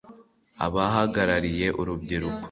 abahagarariye urubyiruko